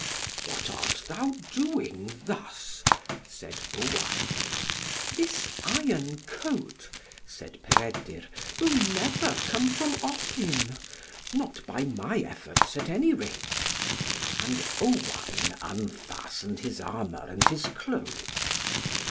"What art thou doing thus?" said Owain. "This iron coat," said Peredur, "will never come from off him; not by my efforts, at any rate." {59a} And Owain unfastened his armour and his clothes.